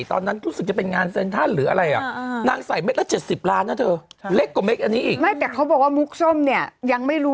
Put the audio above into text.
ตอนนั้นรู้สึกจะเป็นงานเซ็นทรัลหรืออะไร